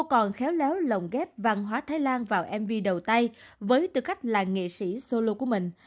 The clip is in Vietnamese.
nhưng lại ở đó cô còn khéo léo lồng ghép văn hóa thái lan vào mv đầu tay với tư cách là nghệ sĩ solo của mình